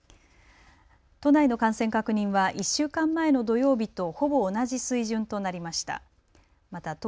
都内の感染確認は１週間前の土曜日とほぼ同じ水準となりました。